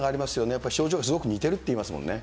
やっぱり、症状がすごく似ているといいますものね。